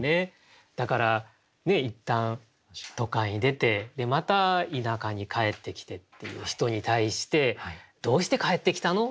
だから一旦都会に出てまた田舎に帰ってきてっていう人に対して「どうして帰ってきたの？」